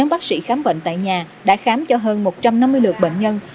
bệnh tại nhà đã khám cho hơn một trăm năm mươi lượt bệnh nhân